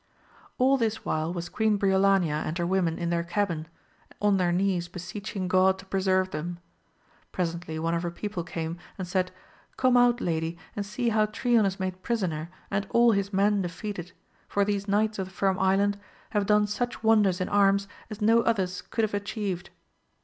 ^ this while was Queen Briolania and her women AMADI8 OF OAUL. 127 in their cabin, on their knees beseeching God to pre serve them. Presently one of her people came and said. Come out lady and see how Trion is made prisoner and all his men defeated, for these knights of the Firm Island have done such wonders in arms as no others could have atchieved.